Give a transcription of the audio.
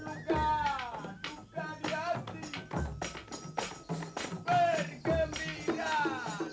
aku sudah diberikan kebomel